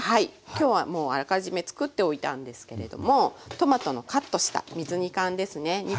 今日はもうあらかじめ作っておいたんですけれどもトマトのカットした水煮缶ですね1/2缶使っています。